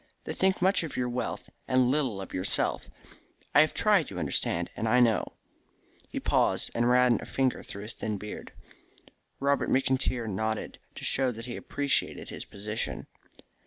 They think much of your wealth, and little of yourself. I have tried, you understand, and I know." He paused and ran his fingers through his thin beard. Robert McIntyre nodded to show that he appreciated his position.